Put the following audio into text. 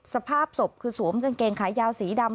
สภาพศพคือสวมกางเกงขายาวสีดำ